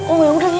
oh yaudah ya